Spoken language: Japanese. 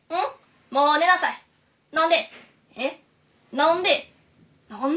「何で？」